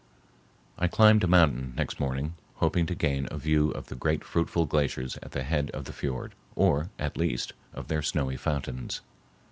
I climbed a mountain next morning, hoping to gain a view of the great fruitful glaciers at the head of the fiord or, at least, of their snowy fountains.